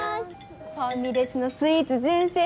ファミレスのスイーツ全制覇！